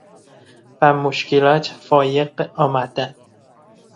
بر مشکلات فایق آمدن